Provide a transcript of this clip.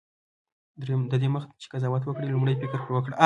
دریم: ددې دمخه چي قضاوت وکړې، لومړی فکر پر وکړه.